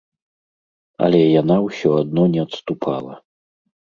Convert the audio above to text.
Але яна ўсё адно не адступала.